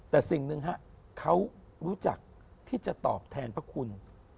แต่สิ่งหนึ่งฮะเขารู้จักที่จะตอบแทนพระคุณ